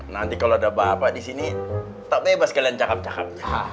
nanti kalau ada apa apa di sini tak bebas kalian cakap cakap